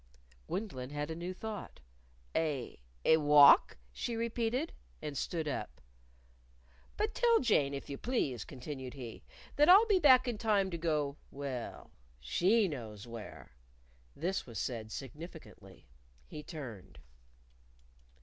Gwendolyn had a new thought. "A a walk?" she repeated. And stood up. "But tell Jane, if you please," continued he, "that I'll be back in time to go well, she knows where." This was said significantly. He turned.